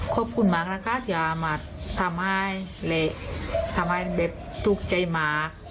ขอบคุณมากนะคะเจ้าอำมาตย์ทำให้เหละทำให้ทุกข์ใจมาก